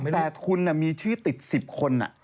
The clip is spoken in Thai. แต่คุณมีชื่อติด๑๐คน